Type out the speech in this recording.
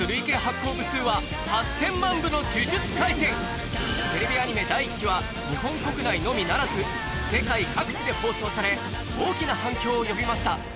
「のどごし生」ＴＶアニメ第１期は日本国内のみならず世界各地で放送され大きな反響を呼びました